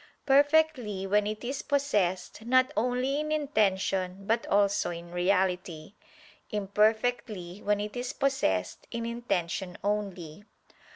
Perfectly, when it is possessed not only in intention but also in reality; imperfectly, when it is possessed in intention only.